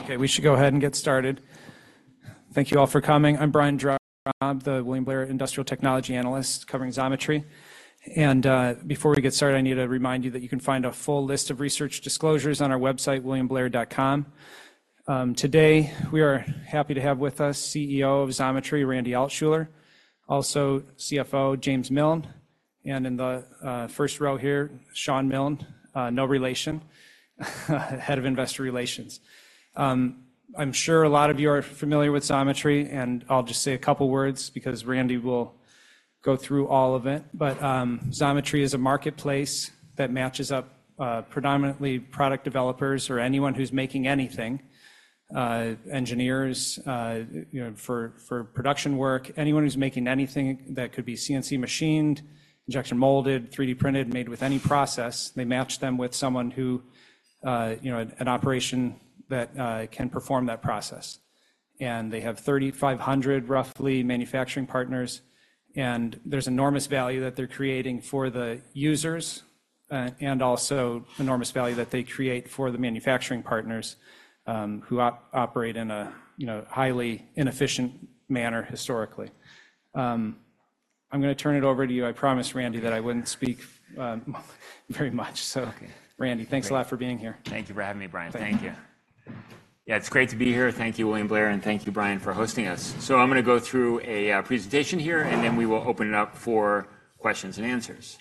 Okay, we should go ahead and get started. Thank you all for coming. I'm Brian Drab, the William Blair Industrial Technology Analyst covering Xometry. Before we get started, I need to remind you that you can find a full list of research disclosures on our website, williamblair.com. Today, we are happy to have with us CEO of Xometry, Randy Altschuler, also CFO, James Milne, and in the first row here, Shawn Milne, no relation, Head of Investor Relations. I'm sure a lot of you are familiar with Xometry, and I'll just say a couple words because Randy will go through all of it. Xometry is a marketplace that matches up predominantly product developers or anyone who's making anything, engineers, you know, for production work. Anyone who's making anything that could be CNC machined, injection molded, 3D printed, made with any process, they match them with someone who, you know, an operation that can perform that process. They have 3,500, roughly, manufacturing partners, and there's enormous value that they're creating for the users, and also enormous value that they create for the manufacturing partners, who operate in a, you know, highly inefficient manner historically. I'm gonna turn it over to you. I promised Randy that I wouldn't speak very much. So- Okay. Randy, thanks a lot for being here. Thank you for having me, Brian. Thank you. Thank you. Yeah, it's great to be here. Thank you, William Blair, and thank you, Brian, for hosting us. So I'm gonna go through a presentation here, and then we will open it up for questions and answers.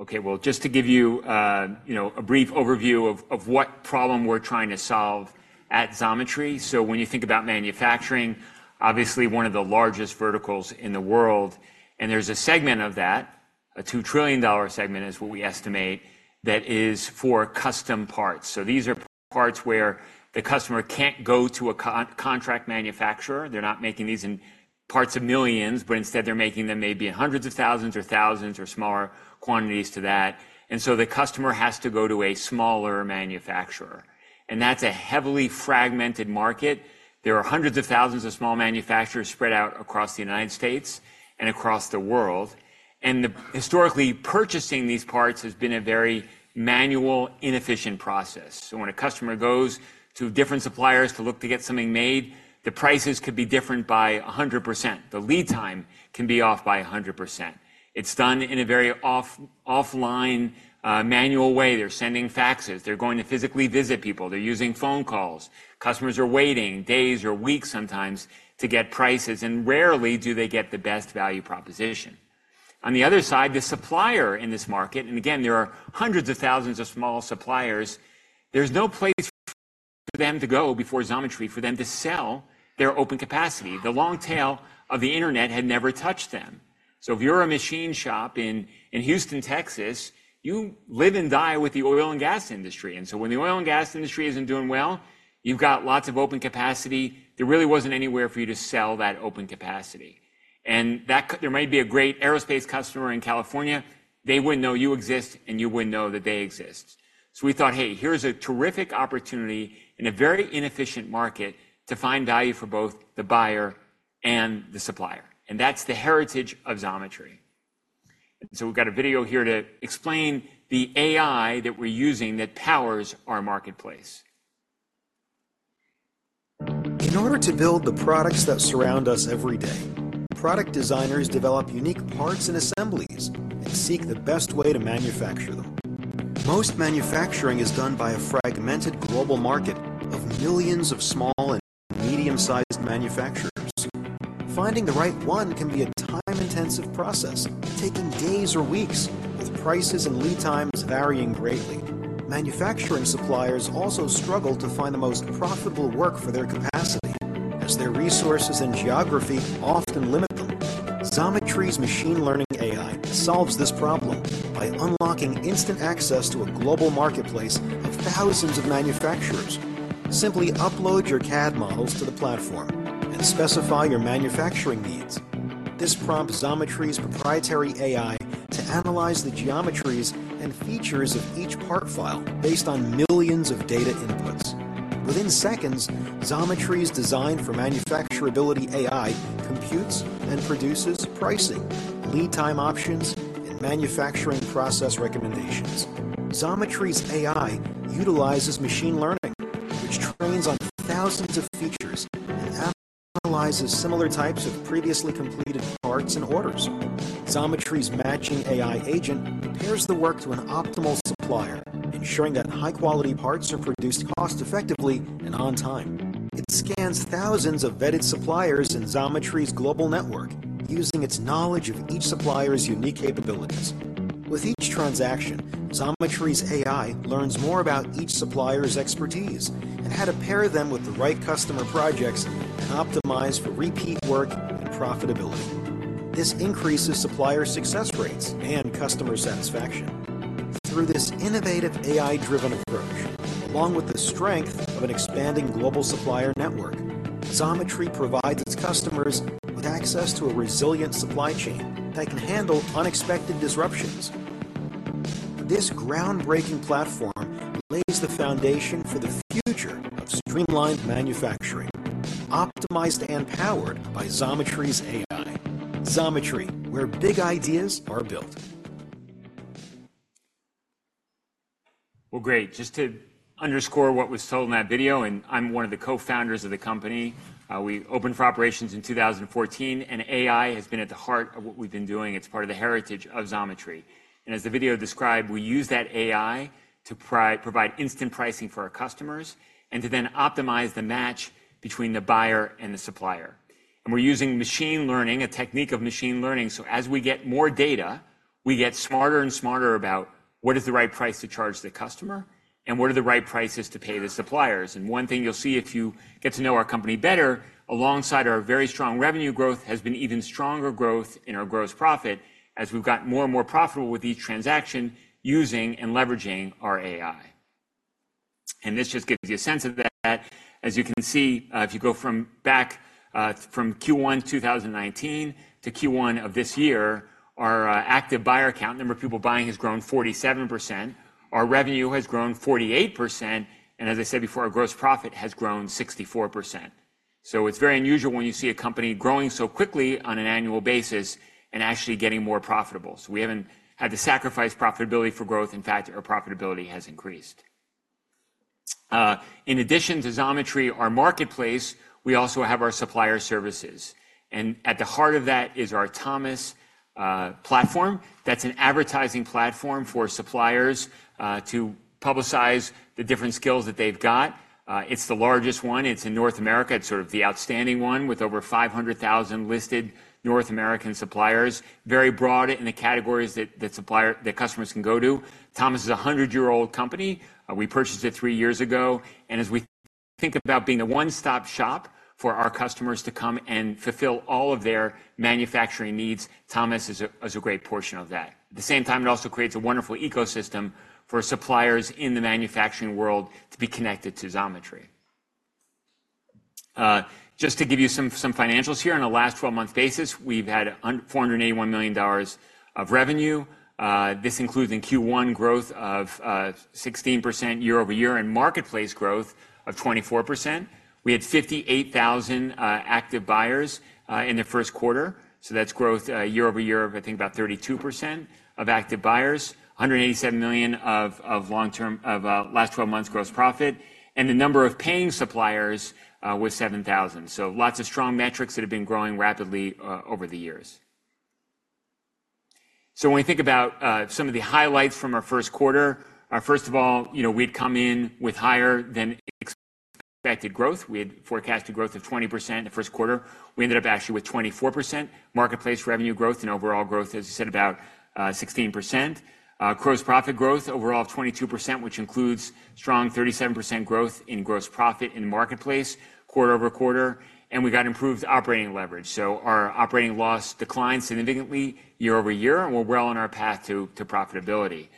Okay, well, just to give you, you know, a brief overview of what problem we're trying to solve at Xometry. So when you think about manufacturing, obviously one of the largest verticals in the world, and there's a segment of that, a $2 trillion segment is what we estimate, that is for custom parts. So these are parts where the customer can't go to a contract manufacturer. They're not making these in parts of millions, but instead, they're making them maybe in hundreds of thousands or thousands or smaller quantities to that, and so the customer has to go to a smaller manufacturer. That's a heavily fragmented market. There are hundreds of thousands of small manufacturers spread out across the United States and across the world, and the historically, purchasing these parts has been a very manual, inefficient process. So when a customer goes to different suppliers to look to get something made, the prices could be different by 100%. The lead time can be off by 100%. It's done in a very offline, manual way. They're sending faxes, they're going to physically visit people, they're using phone calls. Customers are waiting days or weeks sometimes to get prices, and rarely do they get the best value proposition. On the other side, the supplier in this market, and again, there are hundreds of thousands of small suppliers, there's no place for them to go before Xometry for them to sell their open capacity. The long tail of the internet had never touched them. So if you're a machine shop in Houston, Texas, you live and die with the oil and gas industry, and so when the oil and gas industry isn't doing well, you've got lots of open capacity. There really wasn't anywhere for you to sell that open capacity, and there might be a great aerospace customer in California, they wouldn't know you exist, and you wouldn't know that they exist. So we thought, "Hey, here's a terrific opportunity in a very inefficient market to find value for both the buyer and the supplier," and that's the heritage of Xometry. So we've got a video here to explain the AI that we're using that powers our marketplace. In order to build the products that surround us every day, product designers develop unique parts and assemblies and seek the best way to manufacture them. Most manufacturing is done by a fragmented global market of millions of small and medium-sized manufacturers. Finding the right one can be a time-intensive process, taking days or weeks, with prices and lead times varying greatly. Manufacturing suppliers also struggle to find the most profitable work for their capacity, as their resources and geography often limit them. Xometry's machine learning AI solves this problem by unlocking instant access to a global marketplace of thousands of manufacturers. Simply upload your CAD models to the platform and specify your manufacturing needs. This prompts Xometry's proprietary AI to analyze the geometries and features of each part file based on millions of data inputs. Within seconds, Xometry's design for manufacturability AI computes and produces pricing, lead time options, and manufacturing process recommendations. Xometry's AI utilizes machine learning, which trains on thousands of features and analyzes similar types of previously completed parts and orders. Xometry's matching AI agent compares the work to an optimal supplier, ensuring that high-quality parts are produced cost-effectively and on time. It scans thousands of vetted suppliers in Xometry's global network, using its knowledge of each supplier's unique capabilities. With each transaction, Xometry's AI learns more about each supplier's expertise and how to pair them with the right customer projects and optimize for repeat work and profitability. This increases supplier success rates and customer satisfaction. Through this innovative AI-driven approach, along with the strength of an expanding global supplier network, Xometry provides its customers with access to a resilient supply chain that can handle unexpected disruptions. This groundbreaking platform lays the foundation for the future of streamlined manufacturing, optimized and powered by Xometry's AI. Xometry, where big ideas are built. Well, great. Just to underscore what was told in that video, and I'm one of the co-founders of the company. We opened for operations in 2014, and AI has been at the heart of what we've been doing. It's part of the heritage of Xometry. And as the video described, we use that AI to provide instant pricing for our customers and to then optimize the match between the buyer and the supplier. And we're using machine learning, a technique of machine learning, so as we get more data, we get smarter and smarter about what is the right price to charge the customer, and what are the right prices to pay the suppliers. One thing you'll see if you get to know our company better, alongside our very strong revenue growth, has been even stronger growth in our gross profit as we've got more and more profitable with each transaction using and leveraging our AI. This just gives you a sense of that. As you can see, if you go from Q1 2019 to Q1 of this year, our active buyer account, number of people buying, has grown 47%. Our revenue has grown 48%, and as I said before, our gross profit has grown 64%. It's very unusual when you see a company growing so quickly on an annual basis and actually getting more profitable. We haven't had to sacrifice profitability for growth. In fact, our profitability has increased. In addition to Xometry, our marketplace, we also have our supplier services, and at the heart of that is our Thomas platform. That's an advertising platform for suppliers to publicize the different skills that they've got. It's the largest one. It's in North America. It's sort of the outstanding one, with over 500,000 listed North American suppliers. Very broad in the categories that customers can go to. Thomas is a 100-year-old company. We purchased it 3 years ago, and as we think about being a one-stop shop for our customers to come and fulfill all of their manufacturing needs, Thomas is a great portion of that. At the same time, it also creates a wonderful ecosystem for suppliers in the manufacturing world to be connected to Xometry. Just to give you some financials here, on a last twelve months basis, we've had $481 million of revenue. This includes in Q1 growth of 16% year-over-year and marketplace growth of 24%. We had 58,000 active buyers in the first quarter, so that's growth year-over-year of, I think, about 32% of active buyers. $187 million of long-term last twelve months gross profit, and the number of paying suppliers was 7,000. So lots of strong metrics that have been growing rapidly over the years. So when we think about some of the highlights from our first quarter, first of all, you know, we'd come in with higher than expected growth. We had forecasted growth of 20% in the first quarter. We ended up actually with 24% marketplace revenue growth and overall growth, as I said, about 16%. Gross profit growth, overall, 22%, which includes strong 37% growth in gross profit in the marketplace, quarter-over-quarter, and we got improved operating leverage. So our operating loss declined significantly year-over-year, and we're well on our path to profitability.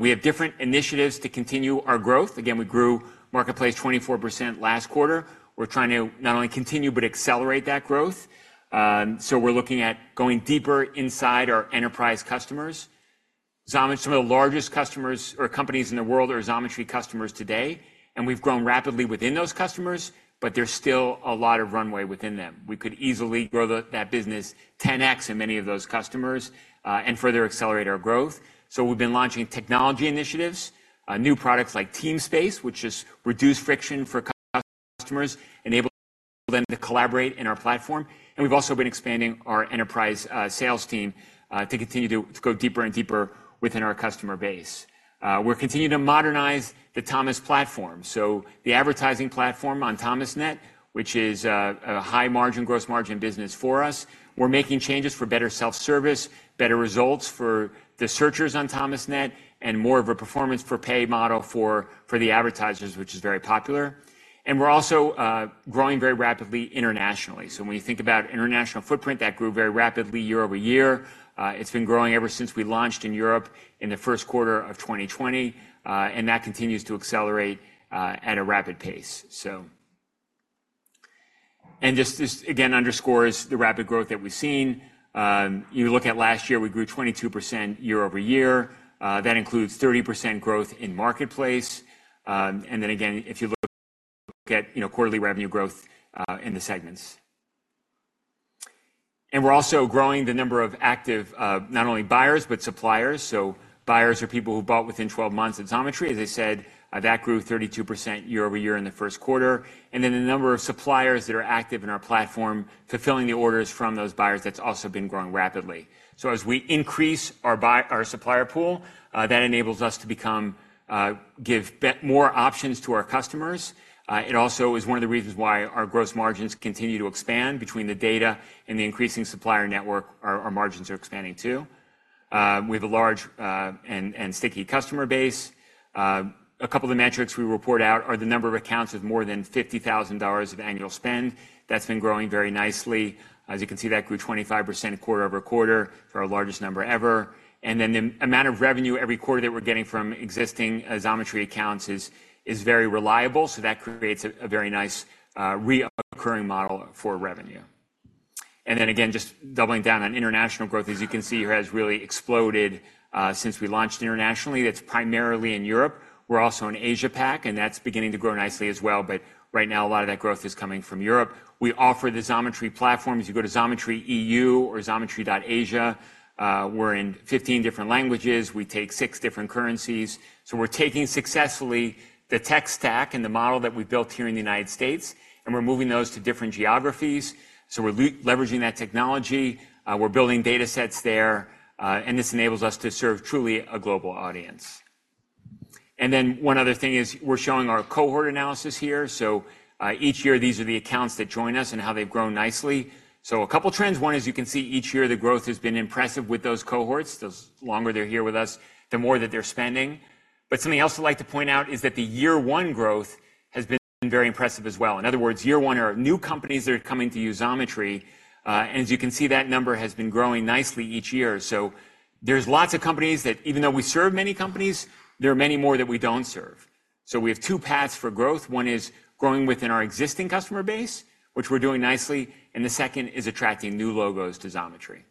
We have different initiatives to continue our growth. Again, we grew marketplace 24% last quarter. We're trying to not only continue, but accelerate that growth. So we're looking at going deeper inside our enterprise customers. Xometry, some of the largest customers or companies in the world are Xometry customers today, and we've grown rapidly within those customers, but there's still a lot of runway within them. We could easily grow that business 10x in many of those customers and further accelerate our growth. So we've been launching technology initiatives, new products like Teamspace, which has reduced friction for customers, enabling them to collaborate in our platform. And we've also been expanding our enterprise sales team to continue to go deeper and deeper within our customer base. We're continuing to modernize the Thomas platform. So the advertising platform on Thomasnet, which is a high margin, gross margin business for us. We're making changes for better self-service, better results for the searchers on Thomasnet, and more of a performance per pay model for the advertisers, which is very popular. And we're also growing very rapidly internationally. So when you think about international footprint, that grew very rapidly year-over-year. It's been growing ever since we launched in Europe in the first quarter of 2020, and that continues to accelerate at a rapid pace, so. This again underscores the rapid growth that we've seen. You look at last year, we grew 22% year-over-year. That includes 30% growth in marketplace. And then again, if you look at, you know, quarterly revenue growth in the segments. We're also growing the number of active not only buyers, but suppliers. Buyers are people who bought within 12 months at Xometry. As I said, that grew 32% year-over-year in the first quarter, and then the number of suppliers that are active in our platform, fulfilling the orders from those buyers, that's also been growing rapidly. So as we increase our supplier pool, that enables us to give buyers more options to our customers. It also is one of the reasons why our gross margins continue to expand between the data and the increasing supplier network, our margins are expanding, too. We have a large and sticky customer base. A couple of the metrics we report out are the number of accounts with more than $50,000 of annual spend. That's been growing very nicely. As you can see, that grew 25% quarter-over-quarter for our largest number ever. And then the amount of revenue every quarter that we're getting from existing Xometry accounts is very reliable, so that creates a very nice recurring model for revenue. And then again, just doubling down on international growth, as you can see, has really exploded since we launched internationally. That's primarily in Europe. We're also in Asia-Pac, and that's beginning to grow nicely as well, but right now, a lot of that growth is coming from Europe. We offer the Xometry platform. If you go to Xometry EU or Xometry.Asia, we're in 15 different languages. We take six different currencies. So we're taking successfully the tech stack and the model that we've built here in the United States, and we're moving those to different geographies. So we're leveraging that technology, we're building data sets there, and this enables us to serve truly a global audience. And then one other thing is we're showing our cohort analysis here. So, each year, these are the accounts that join us and how they've grown nicely. So a couple of trends. One, as you can see, each year, the growth has been impressive with those cohorts. Those longer they're here with us, the more that they're spending. But something else I'd like to point out is that the year one growth has been very impressive as well. In other words, year one are new companies that are coming to use Xometry, and as you can see, that number has been growing nicely each year. So there's lots of companies that even though we serve many companies, there are many more that we don't serve. So we have two paths for growth. One is growing within our existing customer base, which we're doing nicely, and the second is attracting new logos to Xometry.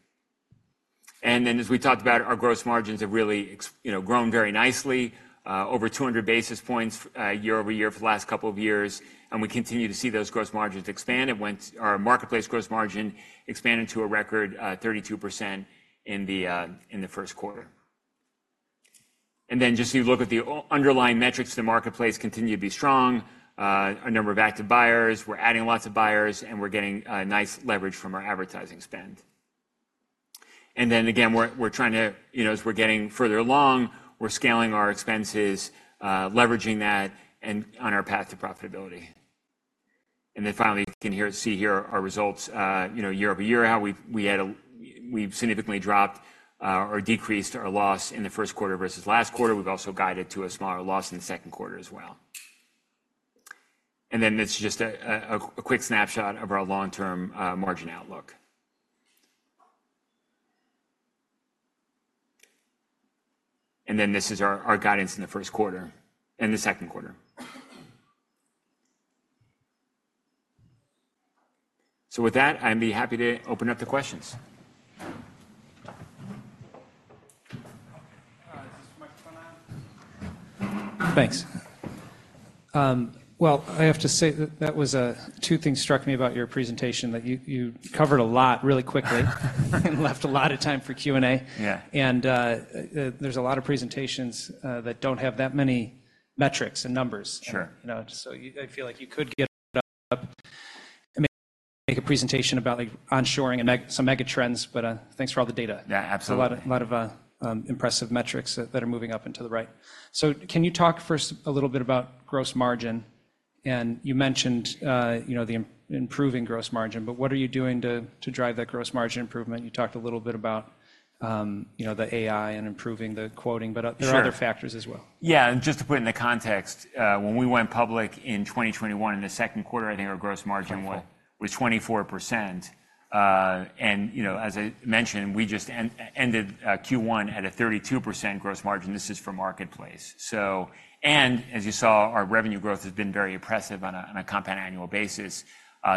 As we talked about, our gross margins have really, you know, grown very nicely over 200 basis points year-over-year for the last couple of years, and we continue to see those gross margins expand. Our marketplace gross margin expanded to a record 32% in the first quarter. And then just you look at the underlying metrics, the marketplace continue to be strong. A number of active buyers. We're adding lots of buyers, and we're getting nice leverage from our advertising spend. And then again, we're trying to, you know, as we're getting further along, we're scaling our expenses, leveraging that and on our path to profitability. Then finally, you can hear, see here our results, you know, year-over-year, how we've significantly dropped or decreased our loss in the first quarter versus last quarter. We've also guided to a smaller loss in the second quarter as well. And then it's just a quick snapshot of our long-term margin outlook. And then this is our guidance in the first quarter and the second quarter. So with that, I'd be happy to open up the questions. Is this microphone on? Thanks. Well, I have to say, two things struck me about your presentation, that you covered a lot really quickly and left a lot of time for Q&A. Yeah. There's a lot of presentations that don't have that many metrics and numbers. Sure. You know, just so you—I feel like you could get up and make a presentation about, like, onshoring and megatrends, but thanks for all the data. Yeah, absolutely. A lot of impressive metrics that are moving up and to the right. So can you talk first a little bit about gross margin? And you mentioned the improving gross margin, but what are you doing to drive that gross margin improvement? You talked a little bit about the AI and improving the quoting, but- Sure. There are other factors as well. Yeah, just to put it in the context, when we went public in 2021, in the second quarter, I think our gross margin was- Twenty-four. -was 24%. And, you know, as I mentioned, we just ended Q1 at a 32% gross margin. This is for Marketplace. So, and as you saw, our revenue growth has been very impressive on a compound annual basis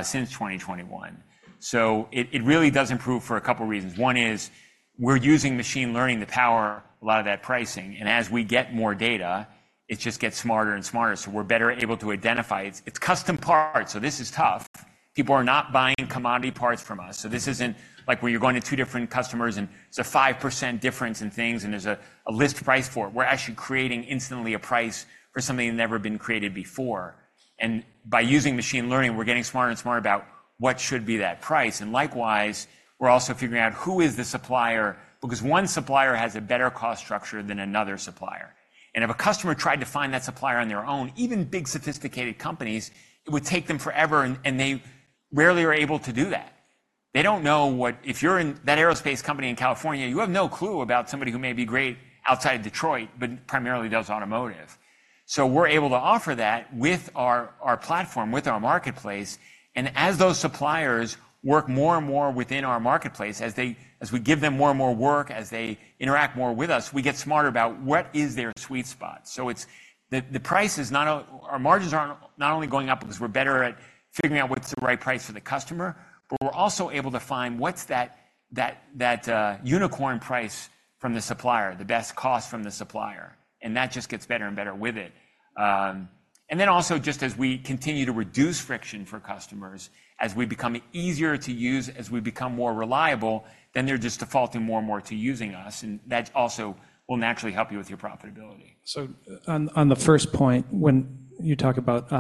since 2021. So it really does improve for a couple of reasons. One is we're using machine learning to power a lot of that pricing, and as we get more data, it just gets smarter and smarter, so we're better able to identify. It's custom parts, so this is tough. People are not buying commodity parts from us. So this isn't like where you're going to two different customers, and it's a 5% difference in things, and there's a list price for it. We're actually creating instantly a price for something that's never been created before. By using machine learning, we're getting smarter and smarter about what should be that price. Likewise, we're also figuring out who is the supplier, because one supplier has a better cost structure than another supplier, and if a customer tried to find that supplier on their own, even big, sophisticated companies, it would take them forever, and, and they rarely are able to do that. They don't know what... If you're in that aerospace company in California, you have no clue about somebody who may be great outside Detroit, but primarily does automotive. We're able to offer that with our, our platform, with our marketplace, and as those suppliers work more and more within our marketplace, as they, as we give them more and more work, as they interact more with us, we get smarter about what is their sweet spot. So it's the price is not our margins are not only going up because we're better at figuring out what's the right price for the customer, but we're also able to find what's that unicorn price from the supplier, the best cost from the supplier, and that just gets better and better with it. And then also, just as we continue to reduce friction for customers, as we become easier to use, as we become more reliable, then they're just defaulting more and more to using us, and that also will naturally help you with your profitability. So, on the first point, when you talk about,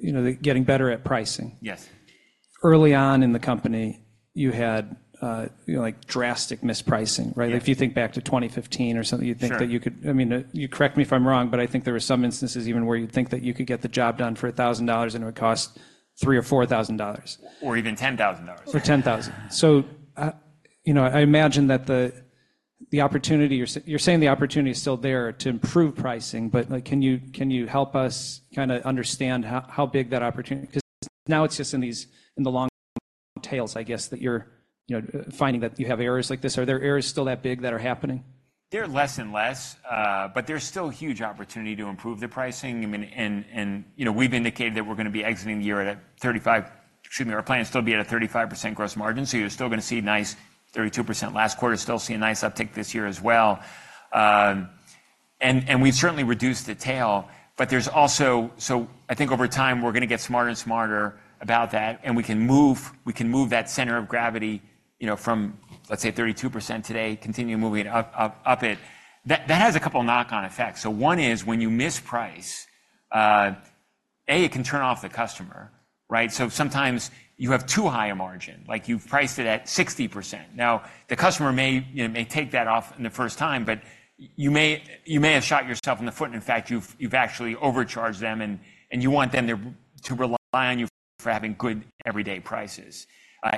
you know, the getting better at pricing- Yes. Early on in the company, you had, you know, like, drastic mispricing, right? Yeah. If you think back to 2015 or something- Sure. You'd think that you could. I mean, you correct me if I'm wrong, but I think there were some instances even where you'd think that you could get the job done for $1,000, and it would cost $3,000 or $4,000. Or even $10,000. Or 10,000. So, you know, I imagine that the opportunity you're saying the opportunity is still there to improve pricing, but, like, can you, can you help us kinda understand how, how big that opportunity? Because now it's just in these, in the long tails, I guess, that you're, you know, finding that you have errors like this. Are there errors still that big that are happening?... They're less and less, but there's still huge opportunity to improve the pricing. I mean, and, and, you know, we've indicated that we're gonna be exiting the year at a 35, excuse me, our plan is to still be at a 35% gross margin, so you're still gonna see nice 32% last quarter, still see a nice uptick this year as well. And, and we've certainly reduced the tail, but there's also-- So I think over time, we're gonna get smarter and smarter about that, and we can move, we can move that center of gravity, you know, from, let's say, 32% today, continue moving it up, up, up it. That, that has a couple of knock-on effects. So one is, when you misprice, it can turn off the customer, right? Sometimes you have too high a margin, like you've priced it at 60%. Now, the customer may, you know, may take that off in the first time, but you may have shot yourself in the foot, and in fact, you've actually overcharged them, and you want them to rely on you for having good everyday prices.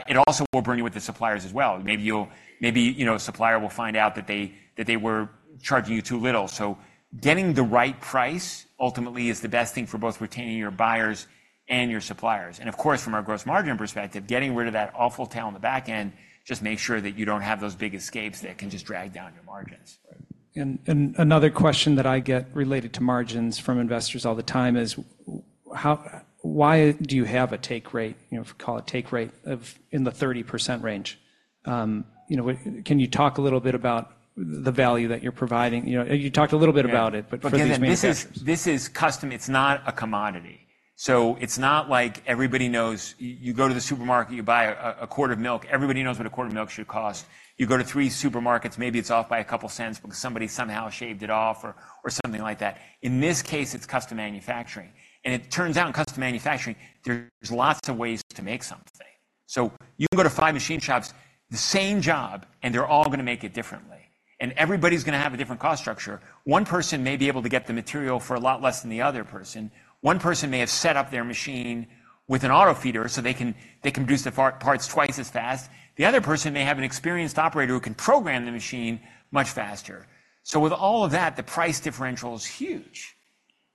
It also will burn you with the suppliers as well. Maybe, you know, a supplier will find out that they were charging you too little. So getting the right price ultimately is the best thing for both retaining your buyers and your suppliers. Of course, from our gross margin perspective, getting rid of that awful tail on the back end, just makes sure that you don't have those big escapes that can just drag down your margins. Right. And another question that I get related to margins from investors all the time is, why do you have a take rate, you know, if we call it take rate of in the 30% range? You know, can you talk a little bit about the value that you're providing? You know, you talked a little bit about it- Yeah but for these manufacturers. This is custom. It's not a commodity. So it's not like everybody knows... You go to the supermarket, you buy a quart of milk. Everybody knows what a quart of milk should cost. You go to three supermarkets, maybe it's off by a couple cents because somebody somehow shaved it off or something like that. In this case, it's custom manufacturing, and it turns out, in custom manufacturing, there's lots of ways to make something. So you can go to five machine shops, the same job, and they're all gonna make it differently, and everybody's gonna have a different cost structure. One person may be able to get the material for a lot less than the other person. One person may have set up their machine with an auto feeder, so they can produce the parts twice as fast. The other person may have an experienced operator who can program the machine much faster. So with all of that, the price differential is huge.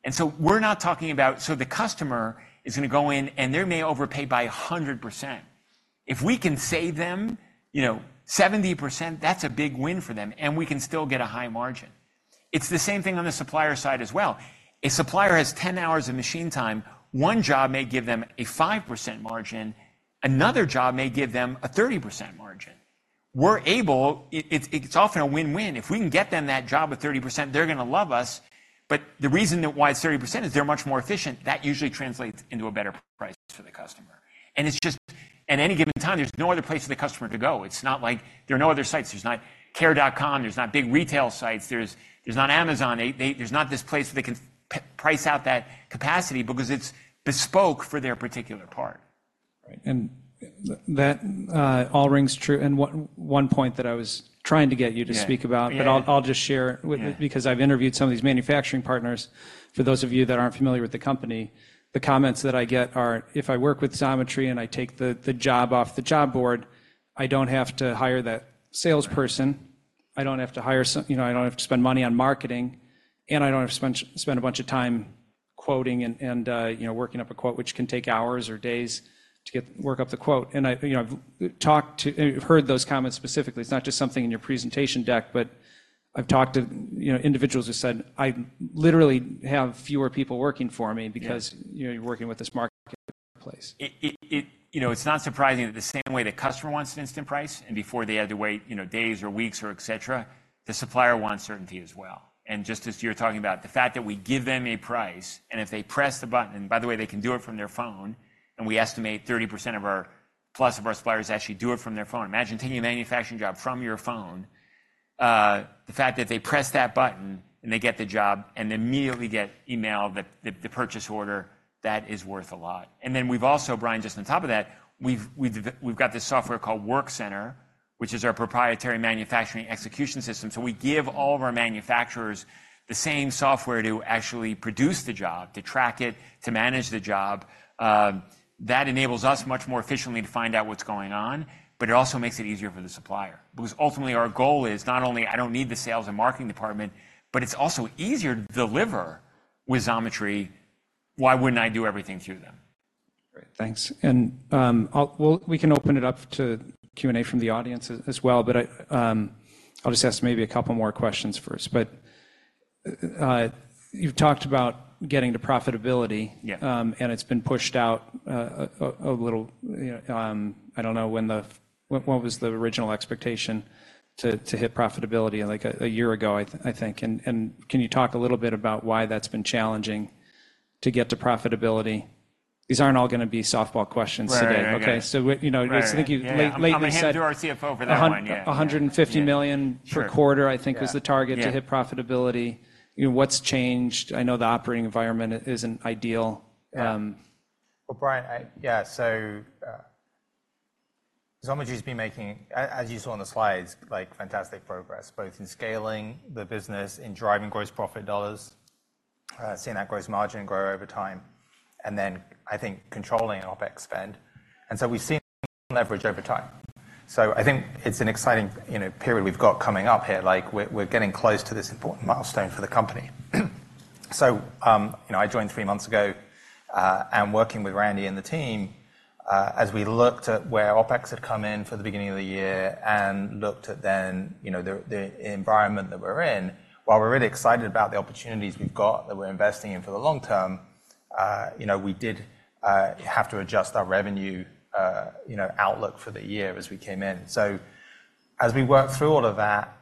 And so we're not talking about, so the customer is gonna go in, and they may overpay by 100%. If we can save them, you know, 70%, that's a big win for them, and we can still get a high margin. It's the same thing on the supplier side as well. A supplier has 10 hours of machine time. One job may give them a 5% margin. Another job may give them a 30% margin. It's often a win-win. If we can get them that job at 30%, they're gonna love us, but the reason that why it's 30% is they're much more efficient. That usually translates into a better price for the customer. It's just, at any given time, there's no other place for the customer to go. It's not like there are no other sites. There's not Care.com, there's not big retail sites, there's not Amazon. They. There's not this place where they can price out that capacity because it's bespoke for their particular part. Right. And that all rings true. And one point that I was trying to get you to speak about- Yeah. but I'll just share- Yeah... because I've interviewed some of these manufacturing partners. For those of you that aren't familiar with the company, the comments that I get are: If I work with Xometry and I take the job off the job board, I don't have to hire that salesperson, I don't have to hire some... You know, I don't have to spend money on marketing, and I don't have to spend a bunch of time quoting and, you know, working up a quote, which can take hours or days to get, work up the quote. And I, you know, I've talked to - heard those comments specifically. It's not just something in your presentation deck, but I've talked to, you know, individuals who said, "I literally have fewer people working for me- Yeah. because, you know, you're working with this marketplace. You know, it's not surprising that the same way the customer wants an instant price, and before they had to wait, you know, days or weeks or et cetera, the supplier wants certainty as well. And just as you're talking about, the fact that we give them a price, and if they press the button, and by the way, they can do it from their phone, and we estimate 30% plus of our suppliers actually do it from their phone. Imagine taking a manufacturing job from your phone. The fact that they press that button and they get the job and immediately get emailed the purchase order, that is worth a lot. And then we've also, Brian, just on top of that, we've got this software called Workcenter, which is our proprietary manufacturing execution system. So we give all of our manufacturers the same software to actually produce the job, to track it, to manage the job. That enables us much more efficiently to find out what's going on, but it also makes it easier for the supplier. Because ultimately, our goal is not only, I don't need the sales and marketing department, but it's also easier to deliver with Xometry. Why wouldn't I do everything through them? Great, thanks. And, I'll—well, we can open it up to Q&A from the audience as well, but I, I'll just ask maybe a couple more questions first. But, you've talked about getting to profitability- Yeah... and it's been pushed out a little. I don't know when the—what was the original expectation to hit profitability? Like a year ago, I think. And can you talk a little bit about why that's been challenging to get to profitability? These aren't all gonna be softball questions today. Right. Okay, so, you know, so I think you lately said- I'm gonna hand it to our CFO for that one. Yeah. $150 million- Sure per quarter, I think, was the target. Yeah to hit profitability. You know, what's changed? I know the operating environment isn't ideal. Well, Brian, yeah, so Xometry's been making as you saw on the slides, like fantastic progress, both in scaling the business, in driving gross profit dollars, seeing that gross margin grow over time, and then, I think, controlling our OpEx spend. And so we've seen leverage over time. So I think it's an exciting, you know, period we've got coming up here, like we're getting close to this important milestone for the company.... So, you know, I joined three months ago, and working with Randy and the team, as we looked at where OpEx had come in for the beginning of the year and looked at then, you know, the environment that we're in, while we're really excited about the opportunities we've got that we're investing in for the long term, you know, we did have to adjust our revenue, you know, outlook for the year as we came in. So as we work through all of that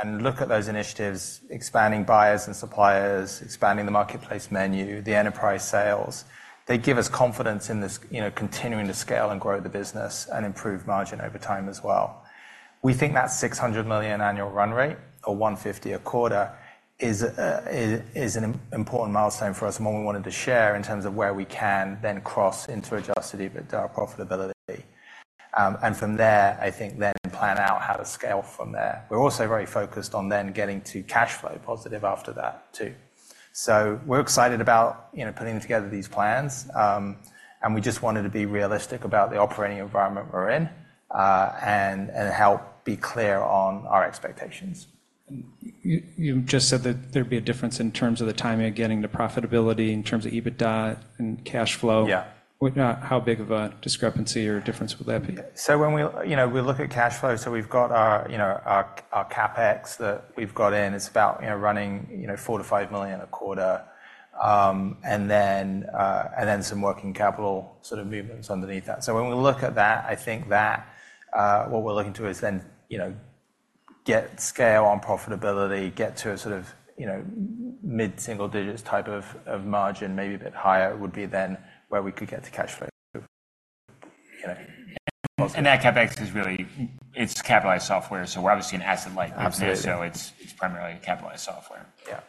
and look at those initiatives, expanding buyers and suppliers, expanding the marketplace menu, the enterprise sales, they give us confidence in this, you know, continuing to scale and grow the business and improve margin over time as well. We think that $600 million annual run rate or $150 a quarter is an important milestone for us, and one we wanted to share in terms of where we can then cross into adjusted EBITDA profitability. And from there, I think then plan out how to scale from there. We're also very focused on then getting to cash flow positive after that, too. So we're excited about, you know, putting together these plans, and we just wanted to be realistic about the operating environment we're in, and help be clear on our expectations. You just said that there'd be a difference in terms of the timing of getting to profitability, in terms of EBITDA and cash flow. Yeah. How big of a discrepancy or difference would that be? So when we, you know, we look at cash flow, so we've got our, you know, our CapEx that we've got in. It's about, you know, running $4 million-$5 million a quarter, and then some working capital sort of movements underneath that. So when we look at that, I think that what we're looking to is then, you know, get scale on profitability, get to a sort of, you know, mid-single digits type of margin, maybe a bit higher, would be then where we could get to cash flow, you know. That CapEx is really, it's capitalized software, so we're obviously an asset-light business. Absolutely. So it's primarily capitalized software. Yeah.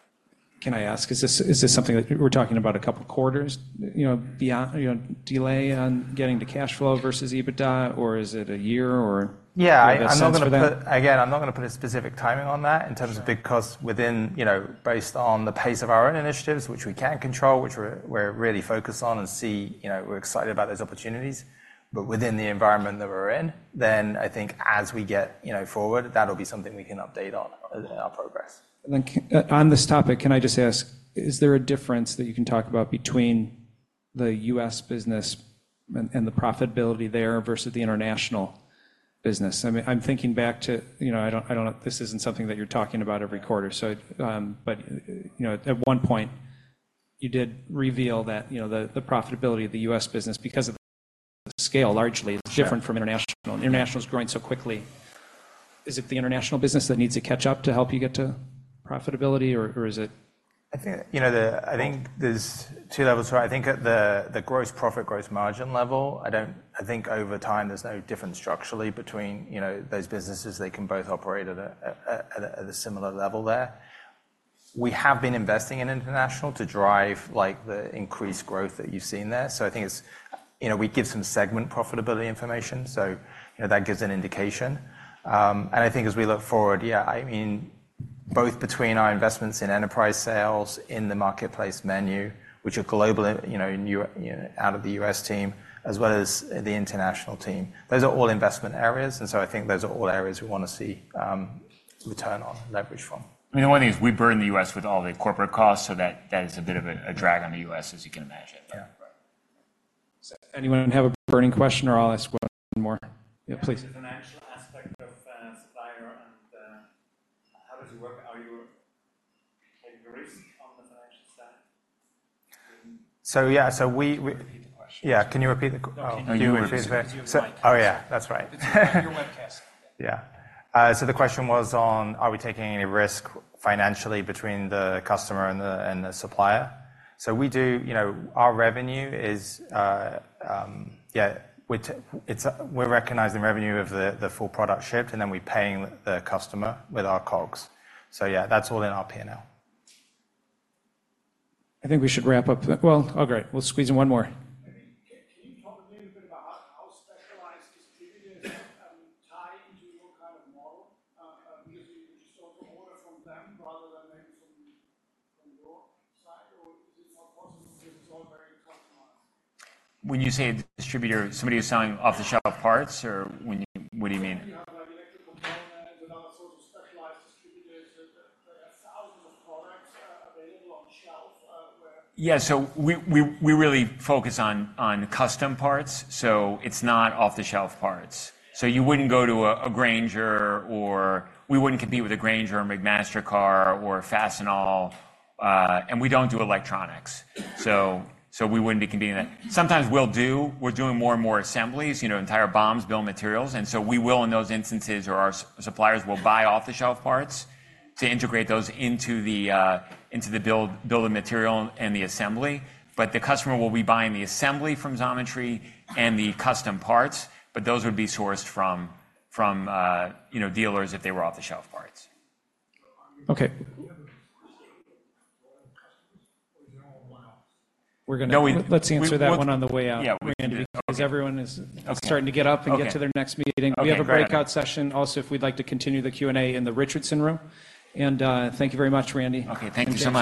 Can I ask, is this, is this something that we're talking about a couple of quarters, you know, beyond, you know, delay on getting to cash flow versus EBITDA, or is it a year or? Yeah, I'm not gonna put- Do you have a sense for that? Again, I'm not gonna put a specific timing on that- Sure... in terms of, because within, you know, based on the pace of our own initiatives, which we can control, which we're really focused on and see, you know, we're excited about those opportunities. But within the environment that we're in, then I think as we get, you know, forward, that'll be something we can update on our progress. And then on this topic, can I just ask, is there a difference that you can talk about between the US business and the profitability there versus the international business? I mean, I'm thinking back to, you know, I don't know, this isn't something that you're talking about every quarter, so, but, you know, at one point, you did reveal that, you know, the profitability of the US business, because of the scale, largely- Sure... is different from international. Yeah. International is growing so quickly. Is it the international business that needs to catch up to help you get to profitability, or, or is it- I think, you know, I think there's two levels, right? I think at the gross profit, gross margin level, I don't... I think over time, there's no difference structurally between, you know, those businesses. They can both operate at a similar level there. We have been investing in international to drive, like, the increased growth that you've seen there. So I think it's, you know, we give some segment profitability information, so, you know, that gives an indication. And I think as we look forward, yeah, I mean, both between our investments in enterprise sales, in the marketplace menu, which are global, you know, out of the U.S. team, as well as the international team. Those are all investment areas, and so I think those are all areas we wanna see return on, leverage from. I mean, the one thing is, we burn the U.S. with all the corporate costs, so that is a bit of a drag on the U.S., as you can imagine. Yeah. Anyone have a burning question, or I'll ask one more? Yeah, please. The financial aspect of supplier and how does it work? Are you taking a risk on the financial side? So yeah, we— Can you repeat the question? Yeah, can you repeat the q- Oh, can you repeat the- Oh, you repeat the question. Oh, yeah, that's right. It's on your webcast. Yeah. So the question was on, are we taking any risk financially between the customer and the supplier? So we do, you know, our revenue is... we're recognizing revenue of the full product shipped, and then we're paying the customer with our COGS. So yeah, that's all in our P&L. I think we should wrap up. Well, okay, we'll squeeze in one more. Can you talk a little bit about how specialized distributors tie into your kind of model? Because you sort the order from them rather than maybe from your side, or is it not possible because it's all very customized? When you say distributor, somebody who's selling off-the-shelf parts, or when you... What do you mean? You have, like, electrical components and other sort of specialized distributors that there are thousands of products available on the shelf, where- Yeah, so we really focus on custom parts, so it's not off-the-shelf parts. So you wouldn't go to a Grainger, or we wouldn't compete with a Grainger or McMaster-Carr or Fastenal, and we don't do electronics. So we wouldn't be competing that. Sometimes we'll do, we're doing more and more assemblies, you know, entire BOMs, bill of materials, and so we will, in those instances, or our suppliers will buy off-the-shelf parts to integrate those into the build, bill of material and the assembly. But the customer will be buying the assembly from Xometry and the custom parts, but those would be sourced from, you know, dealers if they were off-the-shelf parts. Okay. We're gonna- No, we- Let's answer that one on the way out. Yeah, we can do. Because everyone is- Okay... starting to get up- Okay... and get to their next meeting. Okay, great. We have a breakout session. Also, if we'd like to continue the Q&A in the Richardson Room. Thank you very much, Randy. Okay, thank you so much.